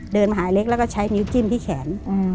เดินมาหาเล็กแล้วก็ใช้นิ้วจิ้มที่แขน